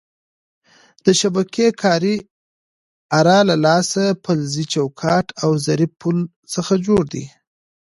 د شبکې کارۍ اره له لاسۍ، فلزي چوکاټ او ظریف پل څخه جوړه ده.